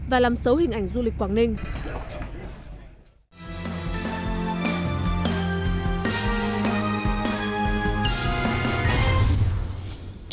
và làm xấu hình ảnh du lịch quảng ninh